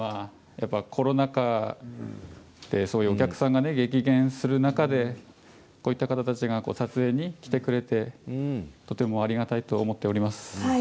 やっぱり今、コロナ禍でお客さんが激減する中でこういった方たちが撮影に来てくれて、とてもありがたいと思っております。